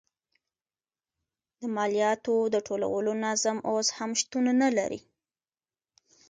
د مالیاتو د ټولولو تنظیم اوس هم شتون نه لري.